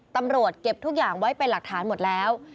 ตำรวจเก็บทุกอย่างไว้เป็นหลักฐานหมดแล้ว